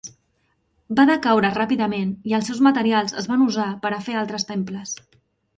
Va decaure ràpidament i els seus materials es van usar per a fer altres temples.